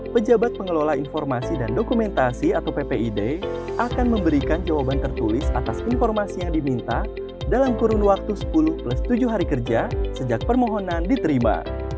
pejabat pengelola informasi dan dokumentasi atau ppid akan memberikan jawaban tertulis atas informasi yang diminta dalam kurun waktu sepuluh plus tujuh hari kerja sejak permohonan diterima